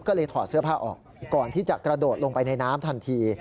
ก็เลยถอดเสื้อผ้าออกก่อนที่จะกระโดดลงไปในน้ำทันที